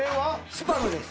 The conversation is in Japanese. スパムです。